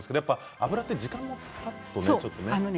油って時間がたつとね。